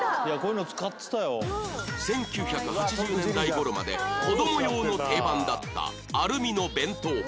１９８０年代頃まで子ども用の定番だったアルミの弁当箱